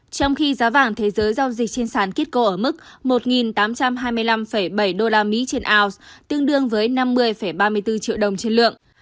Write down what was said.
trong khi giá vàng thế giới giao dịch trên sàn kitco ở mức một tám trăm hai mươi năm bảy usd trên ounce tương đương với năm mươi ba mươi bốn triệu đồng trên lượng